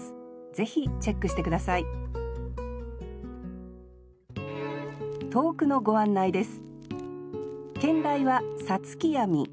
ぜひチェックして下さい投句のご案内です